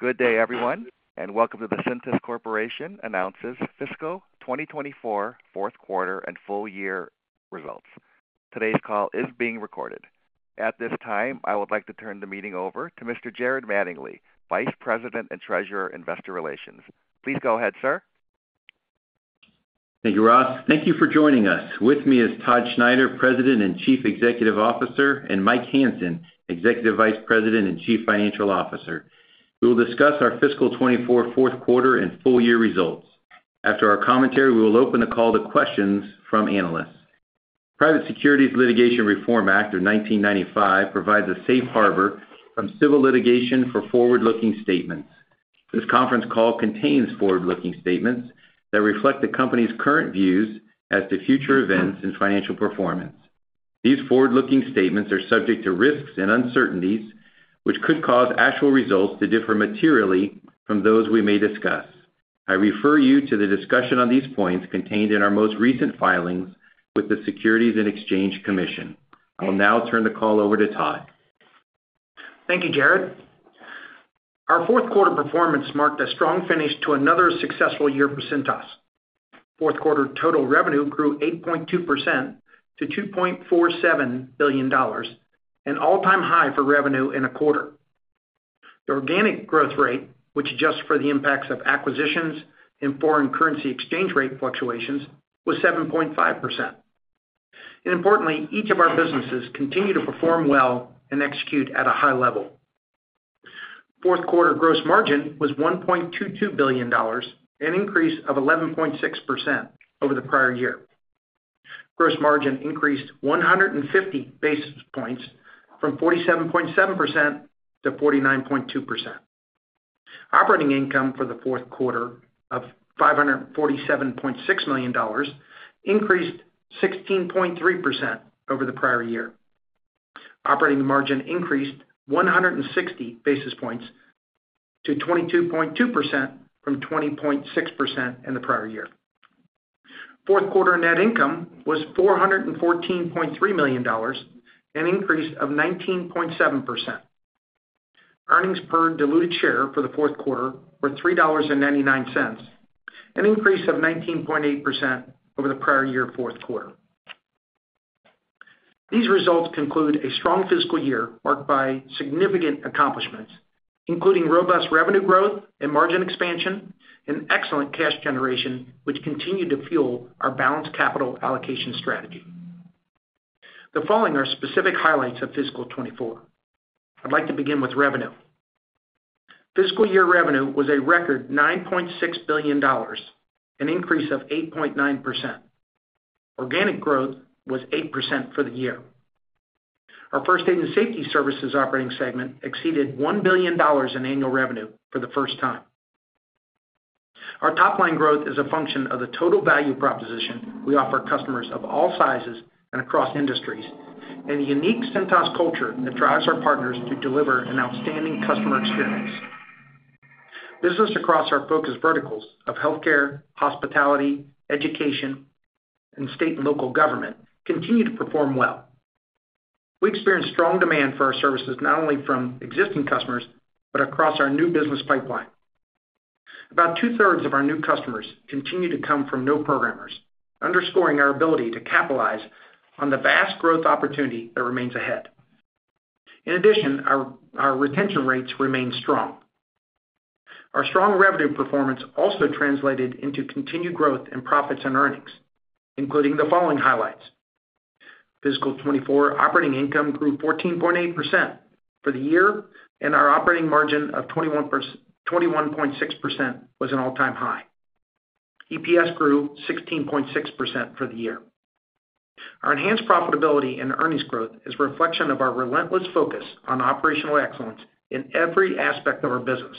Good day, everyone, and welcome to the Cintas Corporation Announces Fiscal 2024 Fourth Quarter and Full Year Results. Today's call is being recorded. At this time, I would like to turn the meeting over to Mr. Jared Mattingley, Vice President and Treasurer, Investor Relations. Please go ahead, sir. Thank you, Ross. Thank you for joining us. With me is Todd Schneider, President and Chief Executive Officer, and Mike Hansen, Executive Vice President and Chief Financial Officer. We will discuss our fiscal 2024 fourth quarter and full year results. After our commentary, we will open the call to questions from analysts. Private Securities Litigation Reform Act of 1995 provides a safe harbor from civil litigation for forward-looking statements. This conference call contains forward-looking statements that reflect the company's current views as to future events and financial performance. These forward-looking statements are subject to risks and uncertainties, which could cause actual results to differ materially from those we may discuss. I refer you to the discussion on these points contained in our most recent filings with the Securities and Exchange Commission. I will now turn the call over to Todd. Thank you, Jared. Our fourth quarter performance marked a strong finish to another successful year for Cintas. Fourth quarter total revenue grew 8.2% to $2.47 billion, an all-time high for revenue in a quarter. The organic growth rate, which adjusts for the impacts of acquisitions and foreign currency exchange rate fluctuations, was 7.5%. Importantly, each of our businesses continue to perform well and execute at a high level. Fourth quarter gross margin was $1.22 billion, an increase of 11.6% over the prior year. Gross margin increased 150 basis points from 47.7% to 49.2%. Operating income for the fourth quarter of $547.6 million increased 16.3% over the prior year. Operating margin increased 160 basis points to 22.2% from 20.6% in the prior year. Fourth quarter net income was $414.3 million, an increase of 19.7%. Earnings per diluted share for the fourth quarter were $3.99, an increase of 19.8% over the prior year fourth quarter. These results conclude a strong fiscal year, marked by significant accomplishments, including robust revenue growth and margin expansion, and excellent cash generation, which continued to fuel our balanced capital allocation strategy. The following are specific highlights of fiscal 2024. I'd like to begin with revenue. Fiscal year revenue was a record $9.6 billion, an increase of 8.9%. Organic growth was 8% for the year. Our First Aid and Safety Services operating segment exceeded $1 billion in annual revenue for the first time. Our top line growth is a function of the total value proposition we offer customers of all sizes and across industries, and the unique Cintas culture that drives our partners to deliver an outstanding customer experience. Business across our focus verticals of healthcare, hospitality, education, and state and local government continue to perform well. We experienced strong demand for our services, not only from existing customers, but across our new business pipeline. About two-thirds of our new customers continue to come from no programmers, underscoring our ability to capitalize on the vast growth opportunity that remains ahead. In addition, our retention rates remain strong. Our strong revenue performance also translated into continued growth in profits and earnings, including the following highlights: Fiscal 2024, operating income grew 14.8% for the year, and our operating margin of 21.6% was an all-time high. EPS grew 16.6% for the year. Our enhanced profitability and earnings growth is a reflection of our relentless focus on operational excellence in every aspect of our business,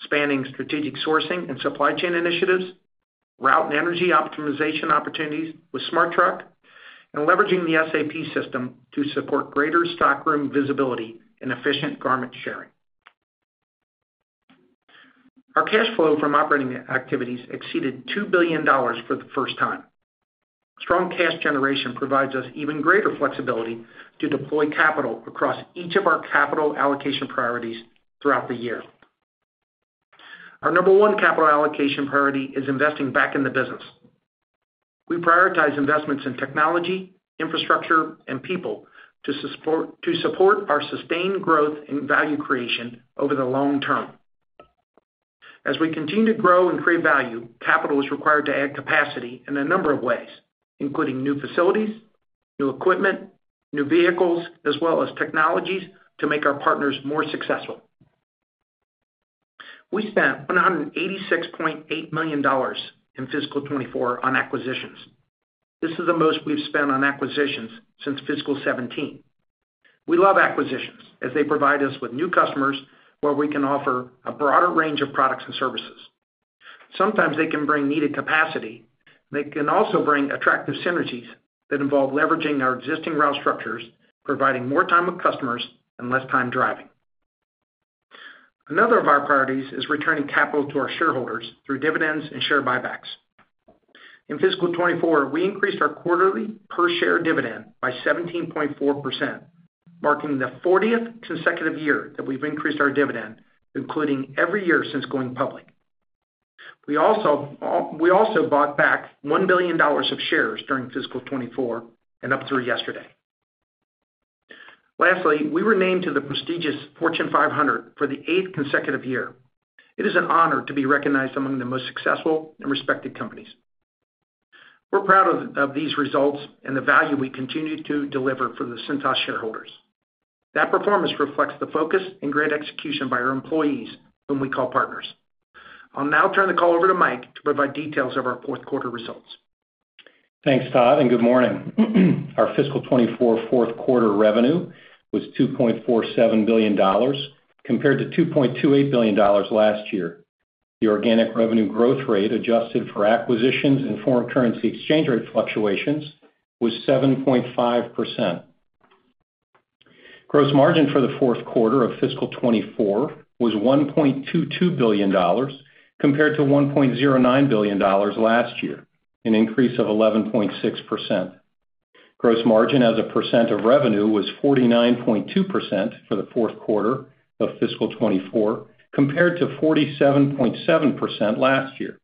spanning strategic sourcing and supply chain initiatives, route and energy optimization opportunities with SmartTruck, and leveraging the SAP system to support greater stockroom visibility and efficient Garment Sharing. Our cash flow from operating activities exceeded $2 billion for the first time. Strong cash generation provides us even greater flexibility to deploy capital across each of our capital allocation priorities throughout the year. Our number 1 capital allocation priority is investing back in the business. We prioritize investments in technology, infrastructure, and people to support, to support our sustained growth and value creation over the long term. As we continue to grow and create value, capital is required to add capacity in a number of ways, including new facilities, new equipment, new vehicles, as well as technologies to make our partners more successful. We spent $186.8 million in fiscal 2024 on acquisitions. This is the most we've spent on acquisitions since fiscal 2017. We love acquisitions as they provide us with new customers, where we can offer a broader range of products and services. Sometimes they can bring needed capacity, they can also bring attractive synergies that involve leveraging our existing route structures, providing more time with customers and less time driving. Another of our priorities is returning capital to our shareholders through dividends and share buybacks. In fiscal 2024, we increased our quarterly per share dividend by 17.4%, marking the 40th consecutive year that we've increased our dividend, including every year since going public. We also bought back $1 billion of shares during fiscal 2024 and up through yesterday. Lastly, we were named to the prestigious Fortune 500 for the 8th consecutive year. It is an honor to be recognized among the most successful and respected companies. We're proud of these results and the value we continue to deliver for the Cintas shareholders. That performance reflects the focus and great execution by our employees, whom we call partners. I'll now turn the call over to Mike to provide details of our fourth quarter results. Thanks, Todd, and good morning. Our fiscal 2024 fourth quarter revenue was $2.47 billion, compared to $2.28 billion last year. The organic revenue growth rate, adjusted for acquisitions and foreign currency exchange rate fluctuations, was 7.5%. Gross margin for the fourth quarter of fiscal 2024 was $1.22 billion, compared to $1.09 billion last year, an increase of 11.6%. Gross margin as a percent of revenue was 49.2% for the fourth quarter of fiscal 2024, compared to 47.7% last year,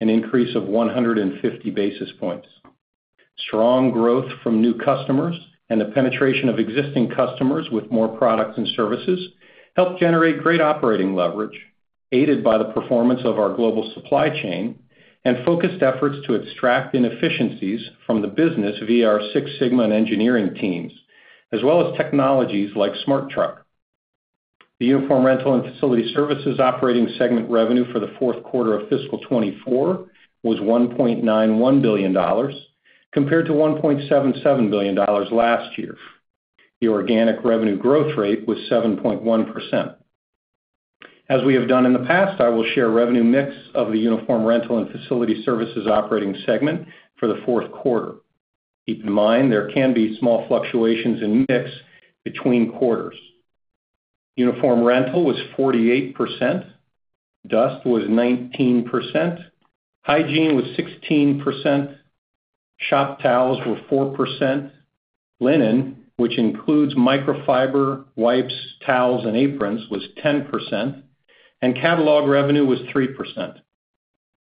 an increase of 150 basis points. Strong growth from new customers and the penetration of existing customers with more products and services helped generate great operating leverage, aided by the performance of our global supply chain and focused efforts to extract inefficiencies from the business via our Six Sigma and engineering teams, as well as technologies like SmartTruck. The Uniform Rental and Facility Services operating segment revenue for the fourth quarter of fiscal 2024 was $1.91 billion, compared to $1.77 billion last year. The organic revenue growth rate was 7.1%. As we have done in the past, I will share revenue mix of the Uniform Rental and Facility Services operating segment for the fourth quarter. Keep in mind, there can be small fluctuations in mix between quarters. Uniform Rental was 48%, dust was 19%, hygiene was 16%, shop towels were 4%, linen, which includes microfiber, wipes, towels, and aprons, was 10%, and catalog revenue was 3%.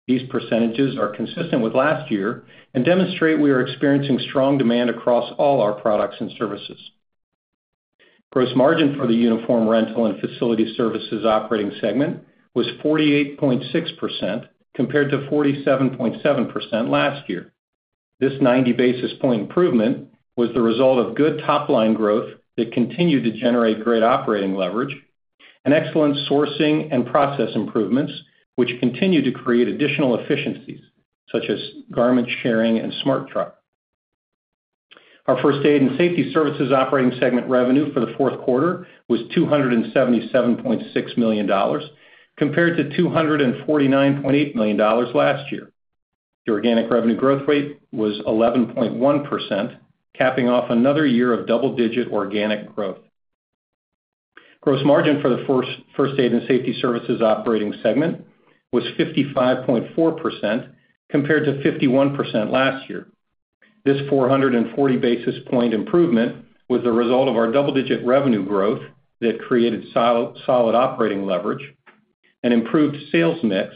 These percentages are consistent with last year and demonstrate we are experiencing strong demand across all our products and services. Gross margin for the Uniform Rental and Facility Services operating segment was 48.6%, compared to 47.7% last year. This 90 basis point improvement was the result of good top-line growth that continued to generate great operating leverage and excellent sourcing and process improvements, which continued to create additional efficiencies, such as Garment Sharing and SmartTruck. Our First Aid and Safety Services operating segment revenue for the fourth quarter was $277.6 million, compared to $249.8 million last year. The organic revenue growth rate was 11.1%, capping off another year of double-digit organic growth. Gross margin for the First Aid and Safety Services operating segment was 55.4%, compared to 51% last year. This 440 basis point improvement was the result of our double-digit revenue growth that created solid operating leverage and improved sales mix,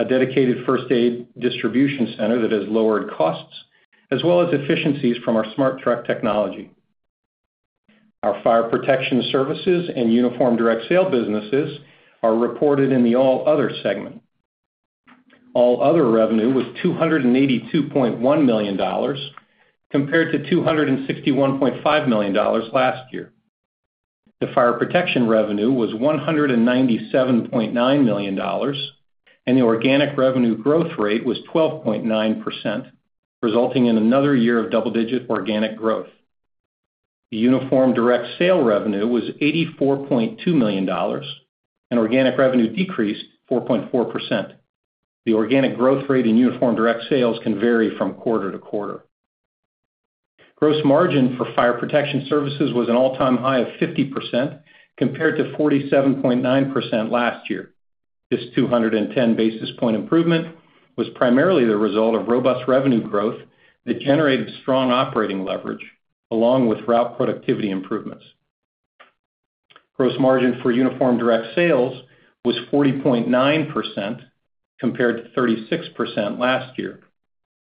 a dedicated first aid distribution center that has lowered costs, as well as efficiencies from our SmartTruck technology. Our Fire Protection Services and Uniform Direct Sale businesses are reported in the All Other segment. All Other revenue was $282.1 million, compared to $261.5 million last year. The Fire Protection revenue was $197.9 million, and the organic revenue growth rate was 12.9%, resulting in another year of double-digit organic growth. The Uniform Direct Sale revenue was $84.2 million, and organic revenue decreased 4.4%. The organic growth rate in Uniform Direct Sales can vary from quarter to quarter. Gross margin for Fire Protection Services was an all-time high of 50%, compared to 47.9% last year. This 210 basis point improvement was primarily the result of robust revenue growth that generated strong operating leverage, along with route productivity improvements. Gross margin for Uniform Direct Sales was 40.9%, compared to 36% last year.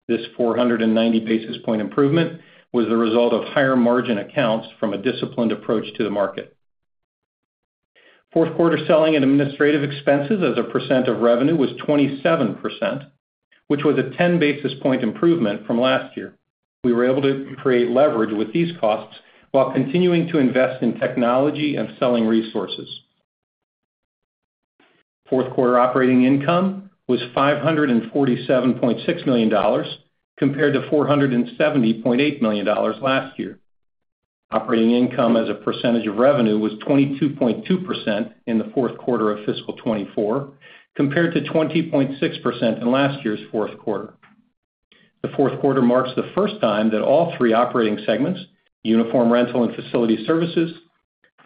This 490 basis point improvement was the result of higher margin accounts from a disciplined approach to the market. Fourth quarter selling and administrative expenses as a percent of revenue was 27%, which was a 10 basis point improvement from last year. We were able to create leverage with these costs while continuing to invest in technology and selling resources. Fourth quarter operating income was $547.6 million, compared to $470.8 million last year. Operating income as a percentage of revenue was 22.2% in the fourth quarter of fiscal 2024, compared to 20.6% in last year's fourth quarter. The fourth quarter marks the first time that all three operating segments, Uniform Rental and Facility Services,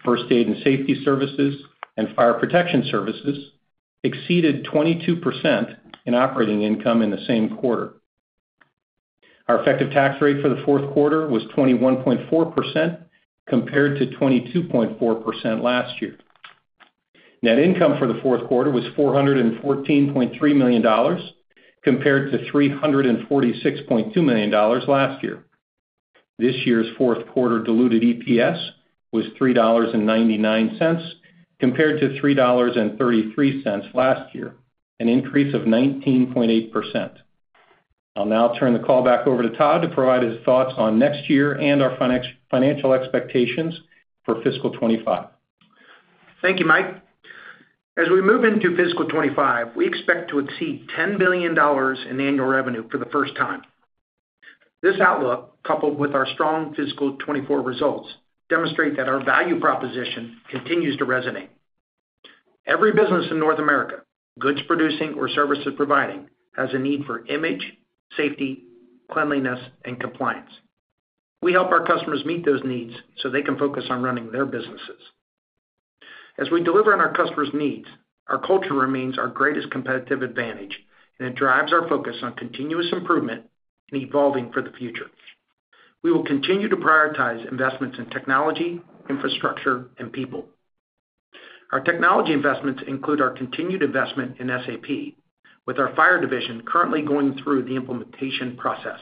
First Aid and Safety Services and Fire Protection Services exceeded 22% in operating income in the same quarter. Our effective tax rate for the fourth quarter was 21.4%, compared to 22.4% last year. Net income for the fourth quarter was $414.3 million, compared to $346.2 million last year. This year's fourth quarter diluted EPS was $3.99, compared to $3.33 last year, an increase of 19.8%. I'll now turn the call back over to Todd to provide his thoughts on next year and our financial expectations for fiscal 2025. Thank you, Mike. As we move into fiscal 2025, we expect to exceed $10 billion in annual revenue for the first time. This outlook, coupled with our strong fiscal 2024 results, demonstrate that our value proposition continues to resonate. Every business in North America, goods producing or services providing, has a need for image, safety, cleanliness, and compliance. We help our customers meet those needs so they can focus on running their businesses. As we deliver on our customers' needs, our culture remains our greatest competitive advantage, and it drives our focus on continuous improvement and evolving for the future. We will continue to prioritize investments in technology, infrastructure, and people. Our technology investments include our continued investment in SAP, with our fire division currently going through the implementation process.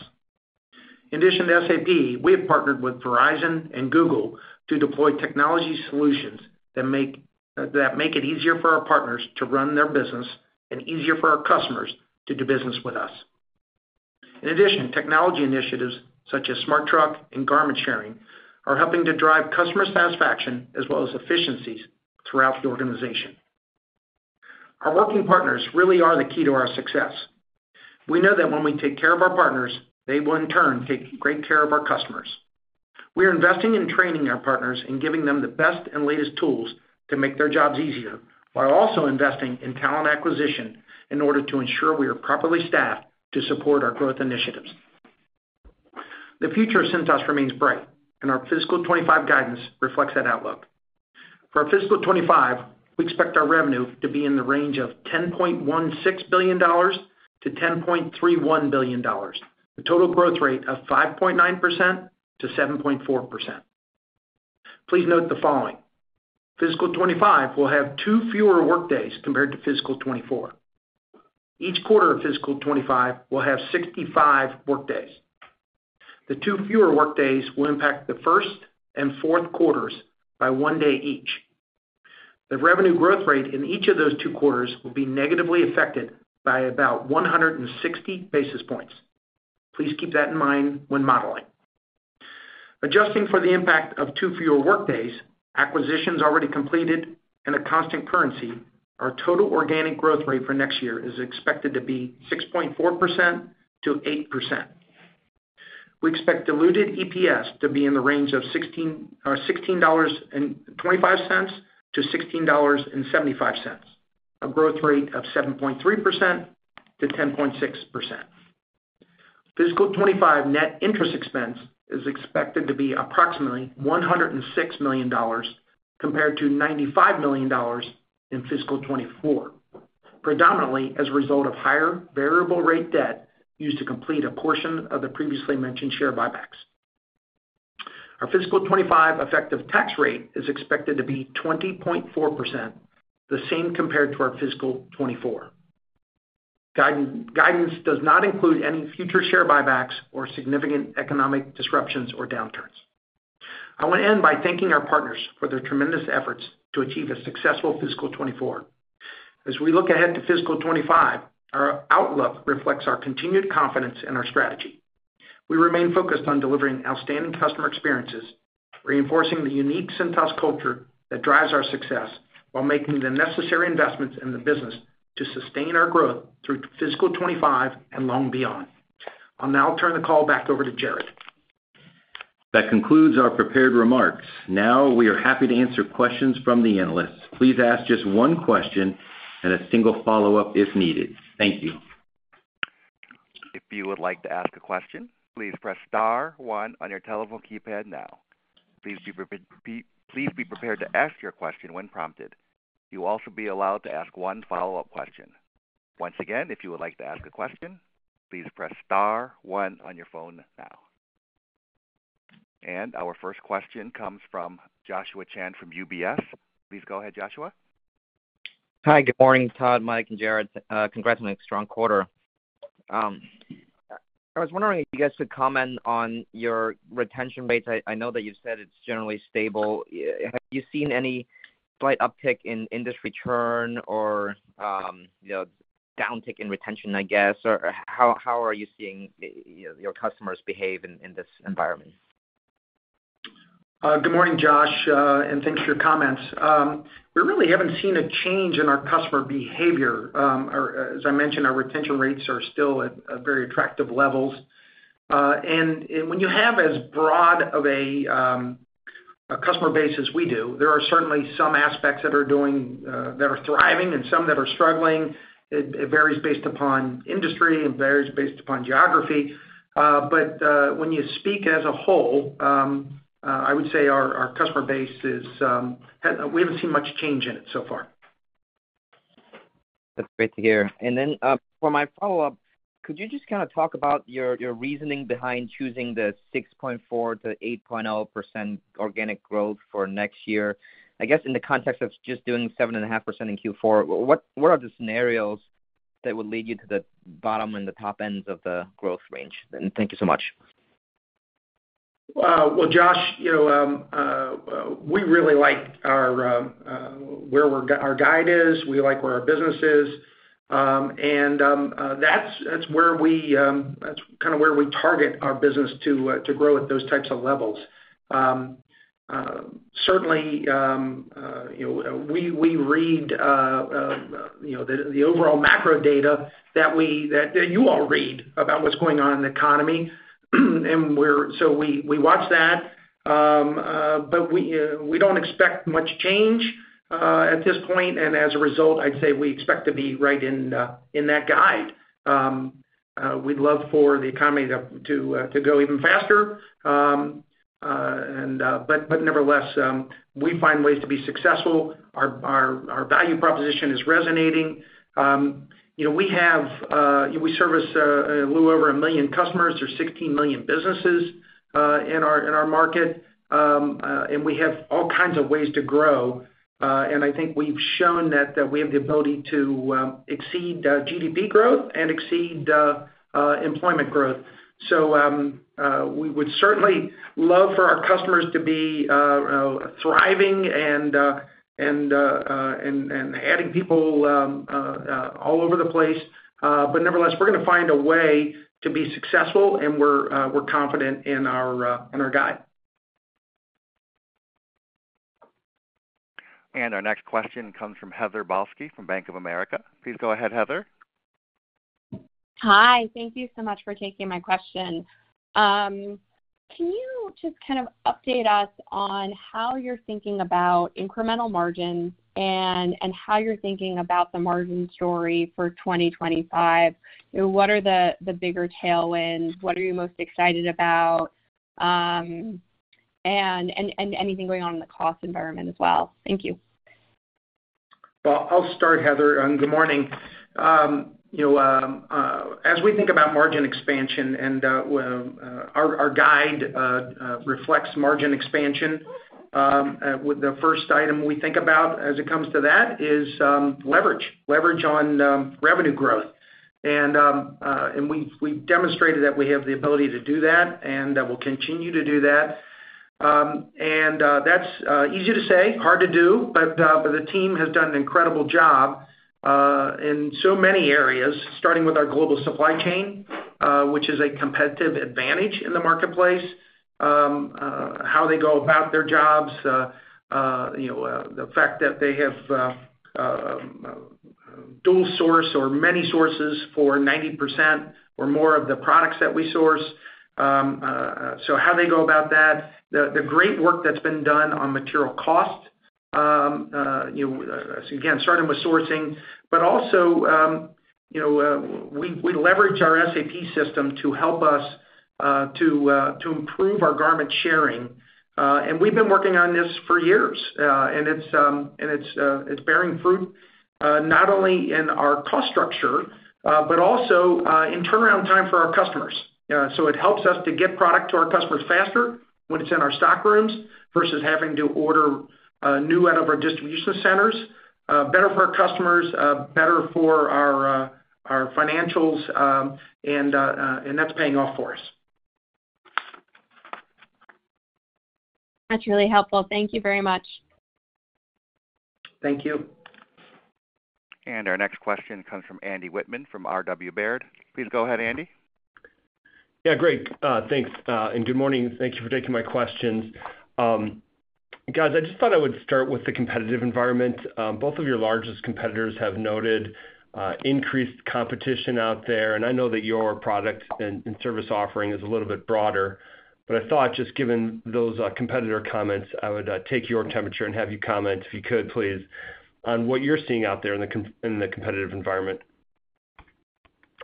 In addition to SAP, we have partnered with Verizon and Google to deploy technology solutions that make it easier for our partners to run their business and easier for our customers to do business with us. In addition, technology initiatives such as SmartTruck and Garment Sharing are helping to drive customer satisfaction as well as efficiencies throughout the organization. Our working partners really are the key to our success. We know that when we take care of our partners, they will, in turn, take great care of our customers. We are investing in training our partners and giving them the best and latest tools to make their jobs easier, while also investing in talent acquisition in order to ensure we are properly staffed to support our growth initiatives. The future of Cintas remains bright, and our fiscal 2025 guidance reflects that outlook. For our Fiscal 2025, we expect our revenue to be in the range of $10.16 billion-$10.31 billion, a total growth rate of 5.9%-7.4%. Please note the following: Fiscal 2025 will have two fewer workdays compared to Fiscal 2024. Each quarter of Fiscal 2025 will have 65 workdays. The two fewer workdays will impact the first and fourth quarters by one day each. The revenue growth rate in each of those two quarters will be negatively affected by about 160 basis points. Please keep that in mind when modeling. Adjusting for the impact of two fewer workdays, acquisitions already completed, and a constant currency, our total organic growth rate for next year is expected to be 6.4% to 8%. We expect diluted EPS to be in the range of $16.25 to $16.75, a growth rate of 7.3% to 10.6%. Fiscal 2025 net interest expense is expected to be approximately $106 million, compared to $95 million in Fiscal 2024, predominantly as a result of higher variable rate debt used to complete a portion of the previously mentioned share buybacks. Our Fiscal 2025 effective tax rate is expected to be 20.4%, the same compared to our Fiscal 2024. Guidance does not include any future share buybacks or significant economic disruptions or downturns. I want to end by thanking our partners for their tremendous efforts to achieve a successful Fiscal 2024. As we look ahead to Fiscal 2025, our outlook reflects our continued confidence in our strategy. We remain focused on delivering outstanding customer experiences, reinforcing the unique Cintas culture that drives our success, while making the necessary investments in the business to sustain our growth through fiscal 2025 and long beyond. I'll now turn the call back over to Jared. That concludes our prepared remarks. Now, we are happy to answer questions from the analysts. Please ask just one question and a single follow-up if needed. Thank you. If you would like to ask a question, please press star one on your telephone keypad now. Please be prepared to ask your question when prompted. You'll also be allowed to ask one follow-up question. Once again, if you would like to ask a question, please press star one on your phone now. Our first question comes from Joshua Chan from UBS. Please go ahead, Joshua. Hi, good morning, Todd, Mike, and Jared. Congrats on a strong quarter. I was wondering if you guys could comment on your retention rates. I know that you've said it's generally stable. Have you seen any slight uptick in industry return or, you know, downtick in retention, I guess? Or how are you seeing your customers behave in this environment? Good morning, Josh, and thanks for your comments. We really haven't seen a change in our customer behavior. As I mentioned, our retention rates are still at very attractive levels. And when you have as broad of a customer base as we do, there are certainly some aspects that are thriving and some that are struggling. It varies based upon industry, and varies based upon geography. But when you speak as a whole, I would say our customer base. We haven't seen much change in it so far.... That's great to hear. And then, for my follow-up, could you just kind of talk about your, your reasoning behind choosing the 6.4%-8.0% organic growth for next year? I guess, in the context of just doing 7.5% in Q4, what are the scenarios that would lead you to the bottom and the top ends of the growth range? And thank you so much. Well, Josh, you know, we really like our guide. We like where our business is. And that's kind of where we target our business to grow at those types of levels. Certainly, you know, we read the overall macro data that you all read about what's going on in the economy. And we watch that, but we don't expect much change at this point. And as a result, I'd say we expect to be right in that guide. We'd love for the economy to grow even faster. And but nevertheless, we find ways to be successful. Our value proposition is resonating. You know, we have, we service a little over 1 million customers. There's 16 million businesses in our market, and we have all kinds of ways to grow. And I think we've shown that we have the ability to exceed GDP growth and exceed employment growth. We would certainly love for our customers to be thriving and adding people all over the place. But nevertheless, we're gonna find a way to be successful, and we're confident in our guide. Our next question comes from Heather Balsky from Bank of America. Please go ahead, Heather. Hi, thank you so much for taking my question. Can you just kind of update us on how you're thinking about incremental margins and how you're thinking about the margin story for 2025? You know, what are the bigger tailwinds? What are you most excited about? And anything going on in the cost environment as well. Thank you. Well, I'll start, Heather, and good morning. You know, as we think about margin expansion and, well, our guide reflects margin expansion, with the first item we think about as it comes to that is leverage on revenue growth. We've demonstrated that we have the ability to do that, and we'll continue to do that. That's easy to say, hard to do, but the team has done an incredible job in so many areas, starting with our global supply chain, which is a competitive advantage in the marketplace. how they go about their jobs, you know, the fact that they have dual source or many sources for 90% or more of the products that we source. So how they go about that, the great work that's been done on material cost, you know, again, starting with sourcing. But also, you know, we leverage our SAP system to help us to improve our Garment Sharing. And we've been working on this for years, and it's bearing fruit, not only in our cost structure, but also in turnaround time for our customers. So it helps us to get product to our customers faster when it's in our stock rooms versus having to order new out of our distribution centers. Better for our customers, better for our financials, and that's paying off for us. That's really helpful. Thank you very much. Thank you. Our next question comes from Andrew Wittmann from RW Baird. Please go ahead, Andrew. Yeah, great. Thanks, and good morning. Thank you for taking my questions. Guys, I just thought I would start with the competitive environment. Both of your largest competitors have noted increased competition out there, and I know that your product and service offering is a little bit broader. But I thought, just given those competitor comments, I would take your temperature and have you comment, if you could, please, on what you're seeing out there in the competitive environment.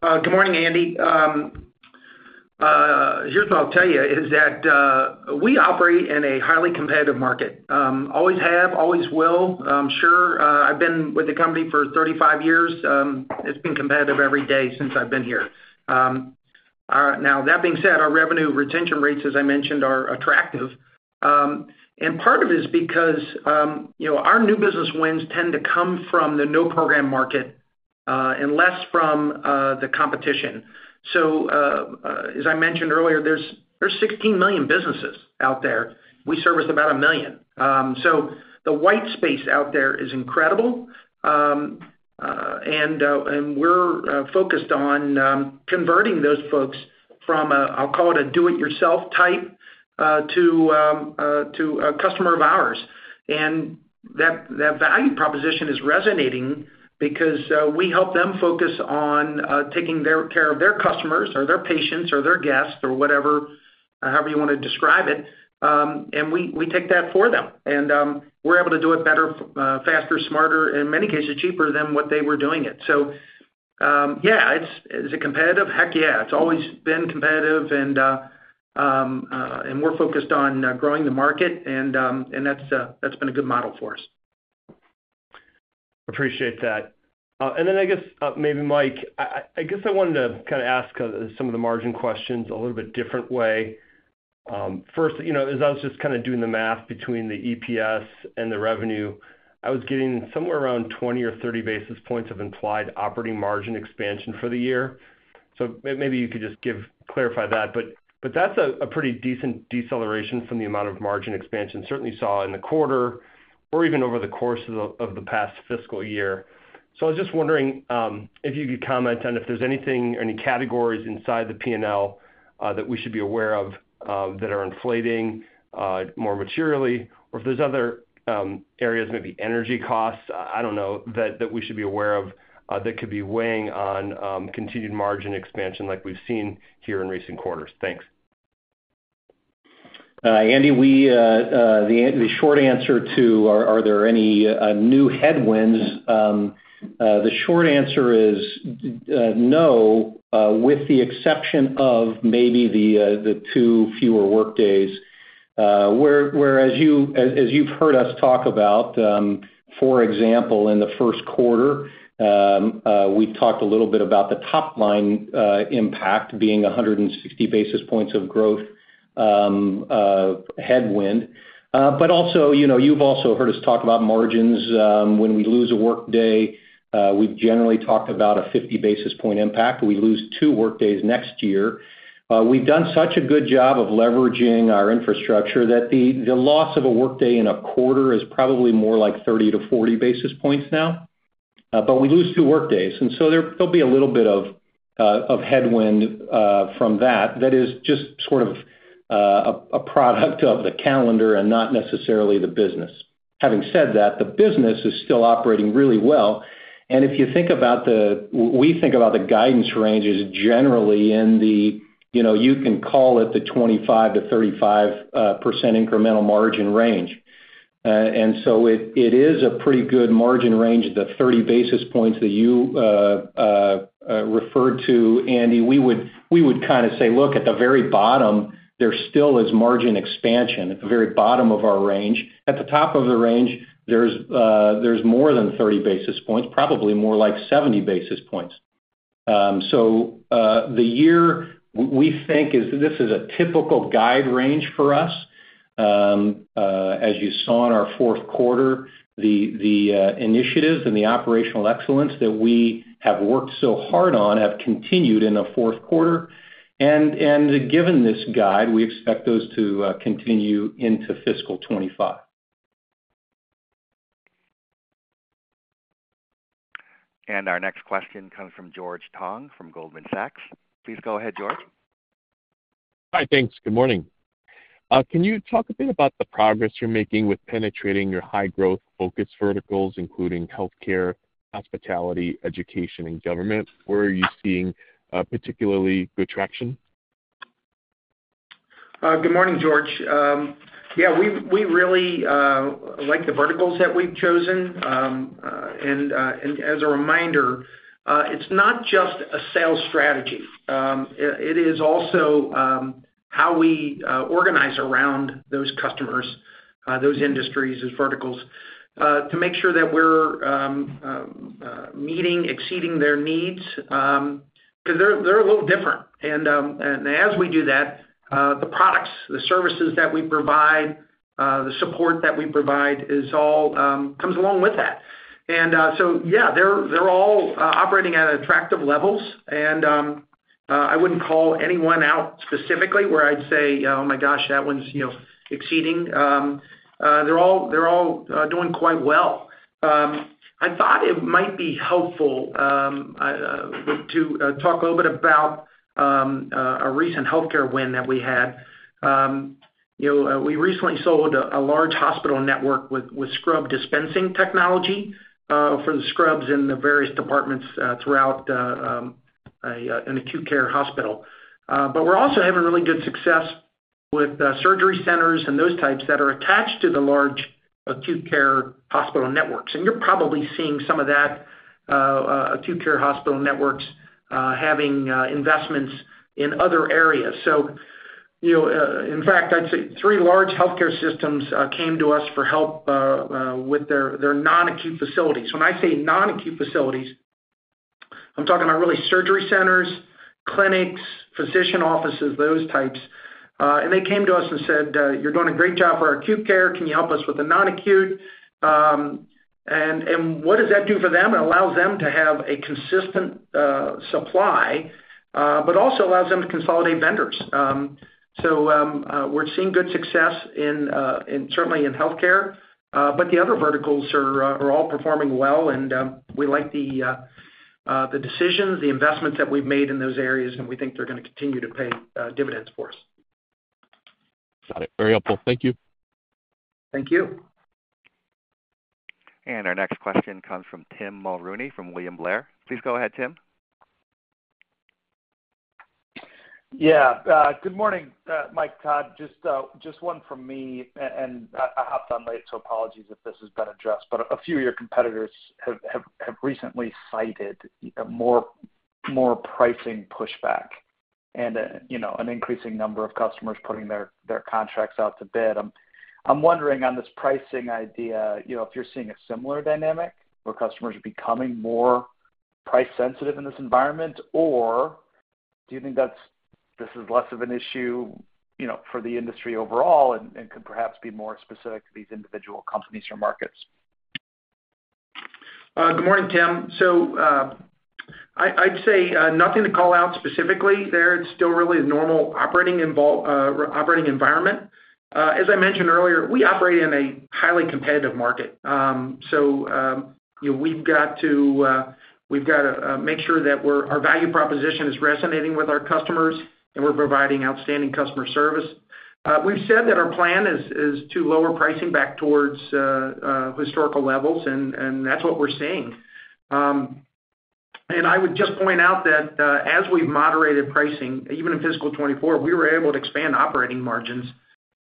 Good morning, Andy. Here's what I'll tell you, is that we operate in a highly competitive market. Always have, always will. I'm sure, I've been with the company for 35 years, it's been competitive every day since I've been here. Now, that being said, our revenue retention rates, as I mentioned, are attractive. And part of it is because, you know, our new business wins tend to come from the no-program market, and less from, the competition. So, as I mentioned earlier, there's 16 million businesses out there. We service about 1 million. So the white space out there is incredible. And we're focused on converting those folks from a, I'll call it a do-it-yourself type, to a customer of ours. That value proposition is resonating because we help them focus on taking care of their customers, or their patients, or their guests, or whatever, however you wanna describe it, and we take that for them. We're able to do it better, faster, smarter, in many cases, cheaper than what they were doing it. Yeah, is it competitive? Heck, yeah! It's always been competitive, and we're focused on growing the market, and that's been a good model for us. Appreciate that. And then I guess, maybe Mike, I guess I wanted to kind of ask some of the margin questions a little bit different way. First, you know, as I was just kind of doing the math between the EPS and the revenue, I was getting somewhere around 20 or 30 basis points of implied operating margin expansion for the year. So maybe you could just give, clarify that, but that's a pretty decent deceleration from the amount of margin expansion certainly saw in the quarter or even over the course of the past fiscal year. I was just wondering if you could comment on if there's anything, any categories inside the P&L that we should be aware of that are inflating more materially, or if there's other areas, maybe energy costs, I don't know, that we should be aware of that could be weighing on continued margin expansion like we've seen here in recent quarters. Thanks. Andy, the short answer to are there any new headwinds is no, with the exception of maybe the two fewer workdays, as you've heard us talk about, for example, in the first quarter, we talked a little bit about the top line impact being 160 basis points of growth headwind. But also, you know, you've also heard us talk about margins. When we lose a workday, we generally talk about a 50 basis point impact. We lose two workdays next year. We've done such a good job of leveraging our infrastructure that the loss of a workday in a quarter is probably more like 30-40 basis points now. But we lose two workdays, and so there'll be a little bit of headwind from that. That is just sort of a product of the calendar and not necessarily the business. Having said that, the business is still operating really well, and if you think about the... We think about the guidance ranges generally in the, you know, you can call it the 25% to 35% incremental margin range. And so it is a pretty good margin range, the 30 basis points that you referred to, Andy. We would kind of say, look, at the very bottom, there still is margin expansion at the very bottom of our range. At the top of the range, there's more than 30 basis points, probably more like 70 basis points. So, the year we think is, this is a typical guide range for us. As you saw in our fourth quarter, the initiatives and the operational excellence that we have worked so hard on have continued in the fourth quarter. Given this guide, we expect those to continue into fiscal 2025. Our next question comes from George Tong, from Goldman Sachs. Please go ahead, George. Hi, thanks. Good morning. Can you talk a bit about the progress you're making with penetrating your high-growth focus verticals, including healthcare, hospitality, education, and government? Where are you seeing particularly good traction? Good morning, George. Yeah, we really like the verticals that we've chosen. And as a reminder, it's not just a sales strategy. It is also how we organize around those customers, those industries as verticals, to make sure that we're meeting, exceeding their needs, because they're a little different. And as we do that, the products, the services that we provide, the support that we provide is all comes along with that. So yeah, they're all operating at attractive levels, and I wouldn't call anyone out specifically, where I'd say, "Oh, my gosh, that one's, you know, exceeding." They're all doing quite well. I thought it might be helpful to talk a little bit about a recent healthcare win that we had. You know, we recently sold a large hospital network with scrub dispensing technology for the scrubs in the various departments throughout an acute care hospital. But we're also having really good success with surgery centers and those types that are attached to the large acute care hospital networks. And you're probably seeing some of that acute care hospital networks having investments in other areas. So, you know, in fact, I'd say three large healthcare systems came to us for help with their non-acute facilities. When I say non-acute facilities, I'm talking about really surgery centers, clinics, physician offices, those types. They came to us and said, "You're doing a great job for our acute care. Can you help us with the non-acute?" What does that do for them? It allows them to have a consistent supply, but also allows them to consolidate vendors. So, we're seeing good success, certainly in healthcare, but the other verticals are all performing well, and we like the decisions, the investments that we've made in those areas, and we think they're gonna continue to pay dividends for us. Got it. Very helpful. Thank you. Thank you. Our next question comes from Tim Mulrooney from William Blair. Please go ahead, Tim.... Yeah. Good morning, Mike, Todd. Just one from me, and I hopped on late, so apologies if this has been addressed. But a few of your competitors have recently cited more pricing pushback and, you know, an increasing number of customers putting their contracts out to bid. I'm wondering on this pricing idea, you know, if you're seeing a similar dynamic, where customers are becoming more price-sensitive in this environment? Or do you think that's this is less of an issue, you know, for the industry overall and could perhaps be more specific to these individual companies or markets? Good morning, Tim. So, I, I'd say, nothing to call out specifically there. It's still really a normal operating environment. As I mentioned earlier, we operate in a highly competitive market. So, you know, we've got to, we've got to, make sure that our value proposition is resonating with our customers, and we're providing outstanding customer service. We've said that our plan is to lower pricing back towards historical levels, and that's what we're seeing. And I would just point out that, as we've moderated pricing, even in fiscal 2024, we were able to expand operating margins,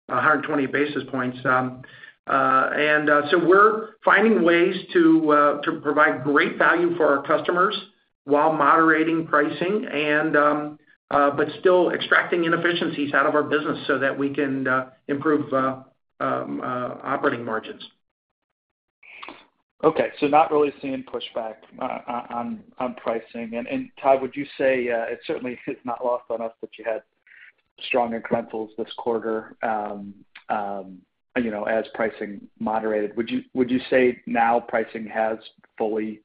120 basis points. So we're finding ways to provide great value for our customers while moderating pricing and but still extracting inefficiencies out of our business so that we can improve operating margins. Okay, so not really seeing pushback on pricing. And Todd, would you say it certainly is not lost on us that you had strong incrementals this quarter, you know, as pricing moderated. Would you say now pricing has fully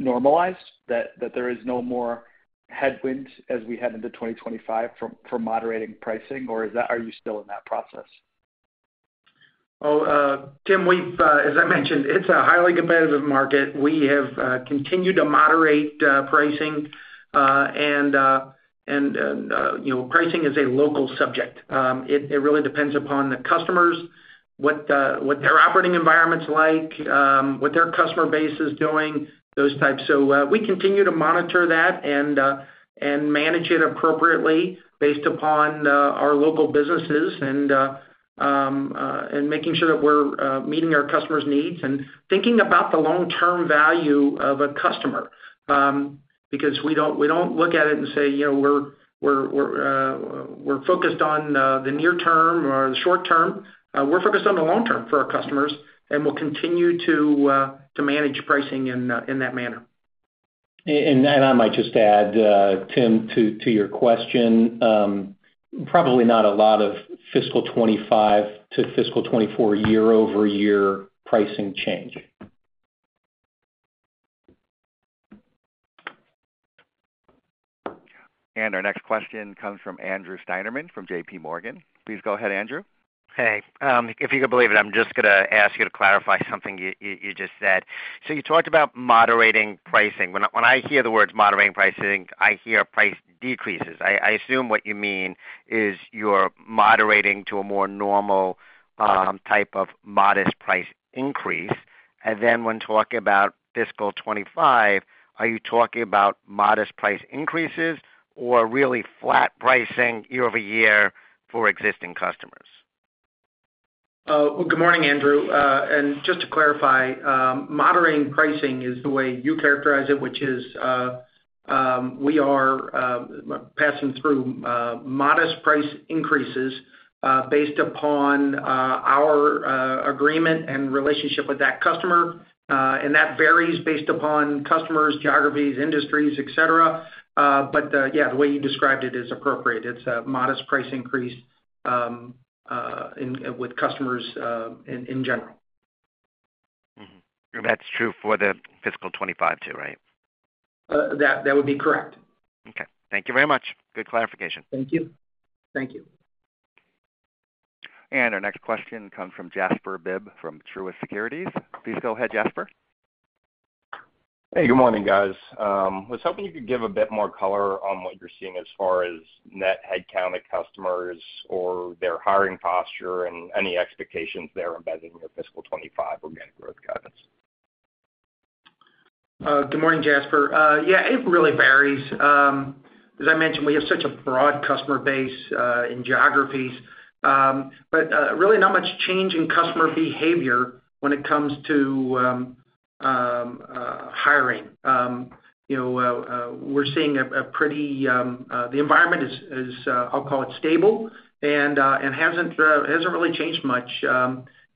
normalized, that there is no more headwind as we head into 2025 from moderating pricing, or are you still in that process? Well, Tim, we've, as I mentioned, it's a highly competitive market. We have continued to moderate pricing, and, you know, pricing is a local subject. It really depends upon the customers, what their operating environment's like, what their customer base is doing, those types. So, we continue to monitor that and manage it appropriately based upon our local businesses and making sure that we're meeting our customers' needs and thinking about the long-term value of a customer. Because we don't look at it and say, "You know, we're focused on the near term or the short term." We're focused on the long term for our customers, and we'll continue to manage pricing in that manner. I might just add, Tim, to your question, probably not a lot of fiscal 2025 to fiscal 2024 year-over-year pricing change. Our next question comes from Andrew Steinerman from J.P. Morgan. Please go ahead, Andrew. Hey. If you could believe it, I'm just gonna ask you to clarify something you just said. So you talked about moderating pricing. When I hear the words moderating pricing, I hear price decreases. I assume what you mean is you're moderating to a more normal type of modest price increase. And then when talking about fiscal 2025, are you talking about modest price increases or really flat pricing year over year for existing customers? Well, good morning, Andrew. And just to clarify, moderating pricing is the way you characterize it, which is, we are passing through modest price increases based upon our agreement and relationship with that customer, and that varies based upon customers, geographies, industries, et cetera. But yeah, the way you described it is appropriate. It's a modest price increase with customers in general. Mm-hmm. That's true for the Fiscal 2025 too, right? That would be correct. Okay. Thank you very much. Good clarification. Thank you. Thank you. Our next question comes from Jasper Bibb from Truist Securities. Please go ahead, Jasper. Hey, good morning, guys. I was hoping you could give a bit more color on what you're seeing as far as net headcount of customers or their hiring posture and any expectations there embedded in your fiscal 2025 organic growth guidance. Good morning, Jasper. Yeah, it really varies. As I mentioned, we have such a broad customer base in geographies. But really not much change in customer behavior when it comes to hiring. You know, we're seeing the environment is stable and hasn't really changed much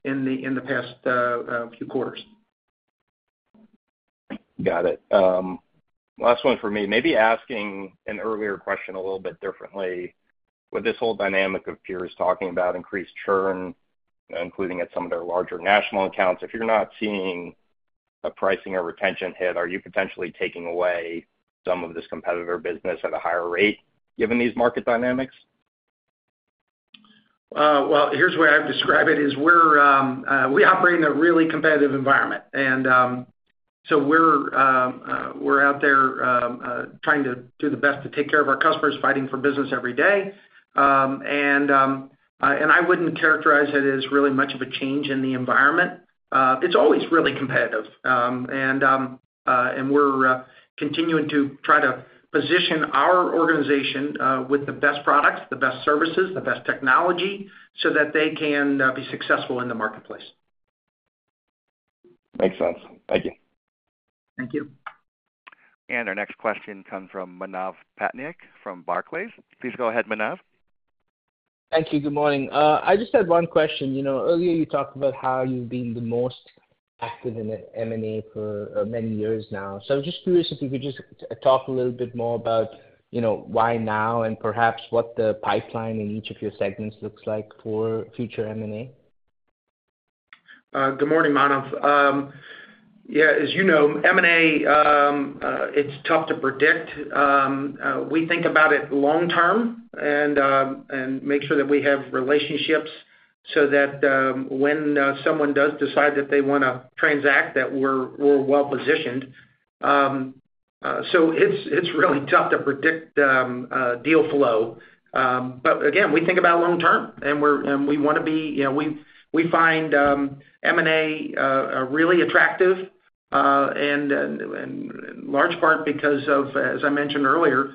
in the past few quarters. Got it. Last one for me. Maybe asking an earlier question a little bit differently. With this whole dynamic of peers talking about increased churn, including at some of their larger national accounts, if you're not seeing a pricing or retention hit, are you potentially taking away some of this competitor business at a higher rate, given these market dynamics? Well, here's the way I would describe it. We operate in a really competitive environment, and so we're out there trying to do the best to take care of our customers, fighting for business every day. And I wouldn't characterize it as really much of a change in the environment. It's always really competitive. And we're continuing to try to position our organization with the best products, the best services, the best technology, so that they can be successful in the marketplace. Makes sense. Thank you. Thank you. Our next question comes from Manav Patnaik from Barclays. Please go ahead, Manav. Thank you. Good morning. I just had one question. You know, earlier, you talked about how you've been the most active in M&A for many years now. So just curious, if you could just talk a little bit more about, you know, why now, and perhaps what the pipeline in each of your segments looks like for future M&A? Good morning, Manav. Yeah, as you know, M&A, it's tough to predict. We think about it long term and make sure that we have relationships so that when someone does decide that they wanna transact, that we're well positioned. So it's really tough to predict deal flow. But again, we think about long term, and we wanna be, you know, we find M&A really attractive, and in large part because of, as I mentioned earlier,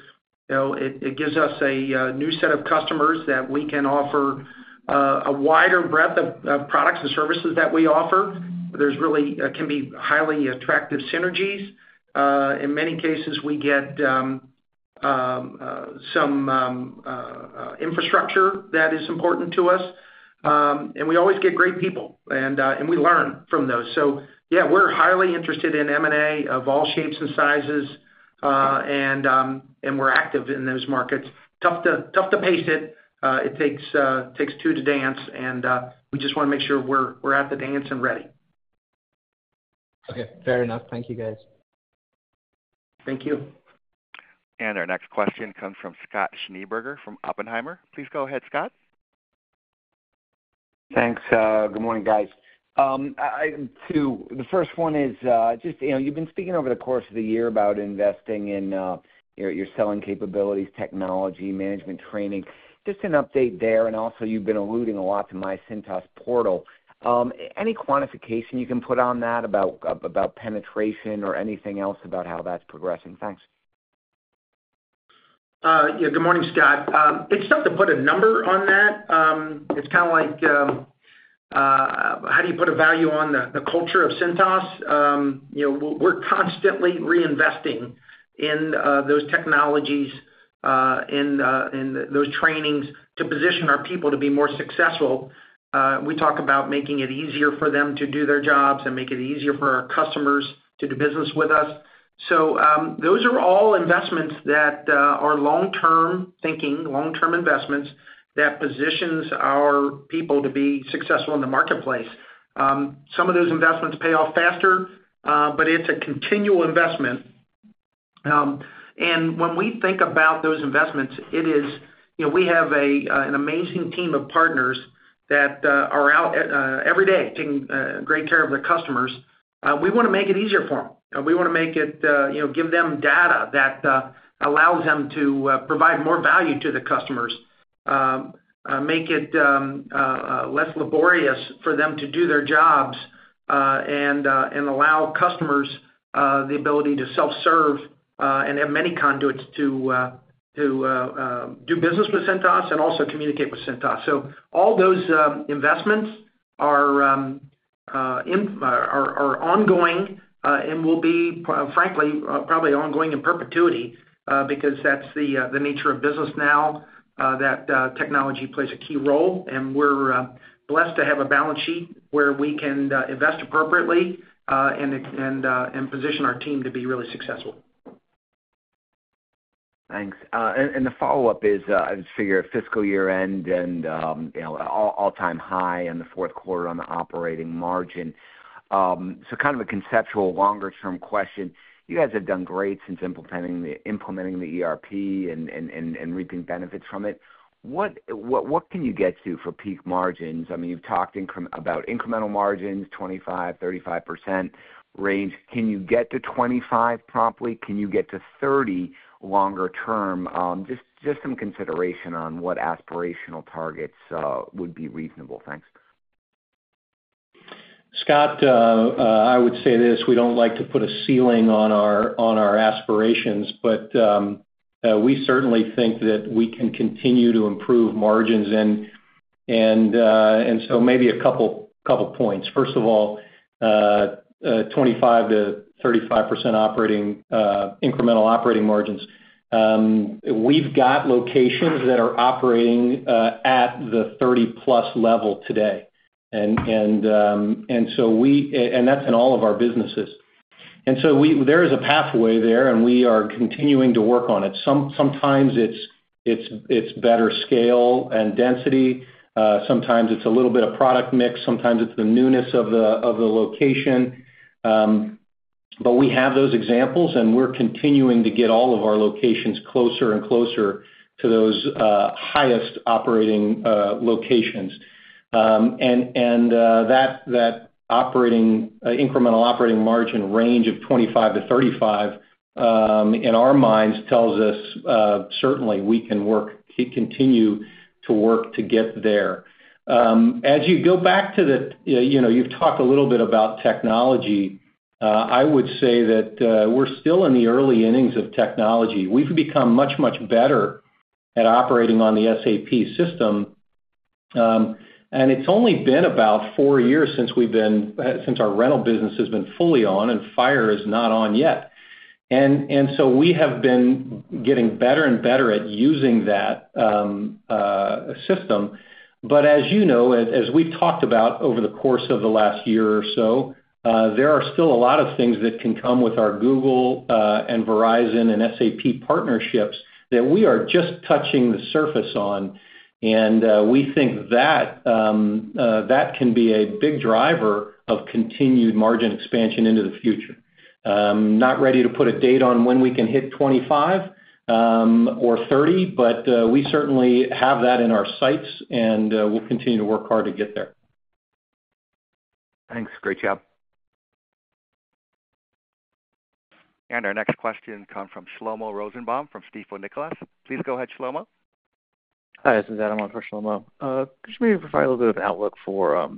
you know, it gives us a new set of customers that we can offer a wider breadth of products and services that we offer. There really can be highly attractive synergies. In many cases, we get some infrastructure that is important to us, and we always get great people, and we learn from those. So yeah, we're highly interested in M&A of all shapes and sizes, and we're active in those markets. Tough to pace it. It takes two to dance, and we just wanna make sure we're at the dance and ready. Okay. Fair enough. Thank you, guys. Thank you. Our next question comes from Scott Schneeberger from Oppenheimer. Please go ahead, Scott. Thanks. Good morning, guys. The first one is, just, you know, you've been speaking over the course of the year about investing in, your, your selling capabilities, technology, management, training. Just an update there, and also, you've been alluding a lot to MyCintas portal. Any quantification you can put on that about, about penetration or anything else about how that's progressing? Thanks. Yeah. Good morning, Scott. It's tough to put a number on that. It's kind of like, how do you put a value on the, the culture of Cintas? You know, we're, we're constantly reinvesting in those technologies, in those trainings to position our people to be more successful. We talk about making it easier for them to do their jobs and make it easier for our customers to do business with us. So, those are all investments that are long-term thinking, long-term investments that positions our people to be successful in the marketplace. Some of those investments pay off faster, but it's a continual investment. And when we think about those investments, it is, you know, we have an amazing team of partners that are out every day, taking great care of their customers. We wanna make it easier for them. We wanna make it, you know, give them data that allows them to provide more value to the customers, less laborious for them to do their jobs, and allow customers the ability to self-serve, and have many conduits to do business with Cintas and also communicate with Cintas. So all those investments are ongoing and will be, frankly, probably ongoing in perpetuity, because that's the nature of business now, that technology plays a key role, and we're blessed to have a balance sheet where we can invest appropriately and position our team to be really successful. Thanks. The follow-up is, I just figure fiscal year-end and, you know, all-time high in the fourth quarter on the operating margin. Kind of a conceptual longer-term question. You guys have done great since implementing the ERP and reaping benefits from it. What can you get to for peak margins? I mean, you've talked about incremental margins, 25% to 35% range. Can you get to 25% promptly? Can you get to 30% longer term? Just some consideration on what aspirational targets would be reasonable. Thanks. Scott, I would say this: We don't like to put a ceiling on our aspirations, but we certainly think that we can continue to improve margins and so maybe a couple points. First of all, 25% to 35% operating incremental operating margins. We've got locations that are operating at the 30+ level today, and that's in all of our businesses. And so there is a pathway there, and we are continuing to work on it. Sometimes it's better scale and density, sometimes it's a little bit of product mix, sometimes it's the newness of the location. But we have those examples, and we're continuing to get all of our locations closer and closer to those highest operating locations. ... and that operating incremental operating margin range of 25 to 35, in our minds tells us, certainly we can work, keep continue to work to get there. As you go back to the, you know, you've talked a little bit about technology, I would say that, we're still in the early innings of technology. We've become much, much better at operating on the SAP system. And it's only been about 4 years since our rental business has been fully on, and fire is not on yet. And so we have been getting better and better at using that system. But as you know, as we've talked about over the course of the last year or so, there are still a lot of things that can come with our Google, and Verizon, and SAP partnerships that we are just touching the surface on, and we think that that can be a big driver of continued margin expansion into the future. Not ready to put a date on when we can hit 25, or 30, but we certainly have that in our sights, and we'll continue to work hard to get there. Thanks. Great job. Our next question comes from Shlomo Rosenbaum from Stifel Nicolaus. Please go ahead, Shlomo. Hi, this is Adam on for Shlomo. Could you maybe provide a little bit of outlook for,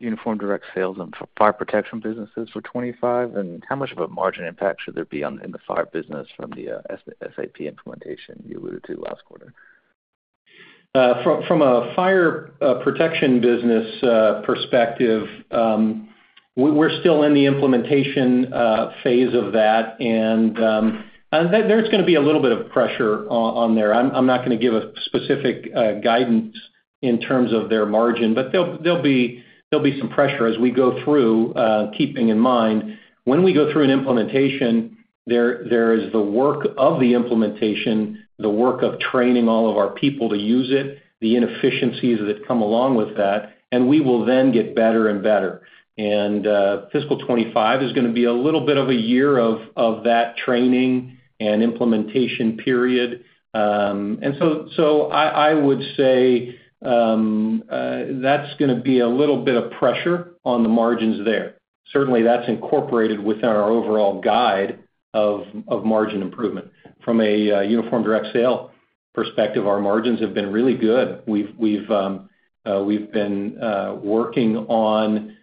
Uniform Direct Sales and for Fire Protection businesses for 2025? And how much of a margin impact should there be on, in the fire business from the, SAP implementation you alluded to last quarter? From a Fire Protection business perspective, we're still in the implementation phase of that. And there's gonna be a little bit of pressure on there. I'm not gonna give a specific guidance in terms of their margin, but there'll be some pressure as we go through, keeping in mind, when we go through an implementation, there is the work of the implementation, the work of training all of our people to use it, the inefficiencies that come along with that, and we will then get better and better. And Fiscal 2025 is gonna be a little bit of a year of that training and implementation period. And so I would say that's gonna be a little bit of pressure on the margins there. Certainly, that's incorporated within our overall guide of margin improvement. From a Uniform Direct Sale perspective, our margins have been really good. We've been working on